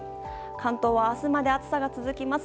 関東は明日まで暑さが続きます。